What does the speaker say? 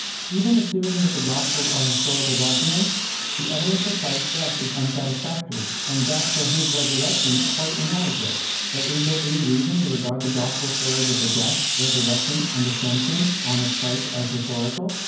Even assuming that the Gospels are historical documents, the evidence for Christ's death is unsatisfactory, and that for His Resurrection quite inadequate. But is there any reason to regard the Gospel stories of the death, Resurrection, and Ascension on of Christ as historical?